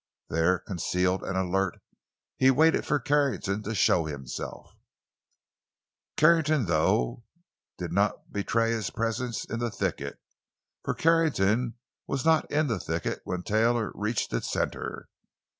There, concealed and alert, he waited for Carrington to show himself. Carrington, though, did not betray his presence in the thicket. For Carrington was not in the thicket when Taylor reached its center.